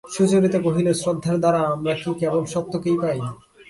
সুচরিতা কহিল, শ্রদ্ধার দ্বারা আমরা কি কেবল সত্যকেই পাই?